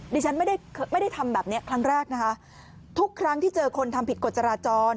ดิฉันไม่ได้ไม่ได้ทำแบบนี้ครั้งแรกนะคะทุกครั้งที่เจอคนทำผิดกฎจราจร